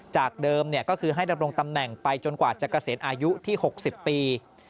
จากเดิมก็คือให้ดำรงตำแหน่งไปจนกว่าจะเกษียณอายุที่๖๐ปี